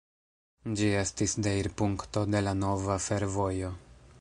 Ĝi estis deirpunkto de la nova fervojo.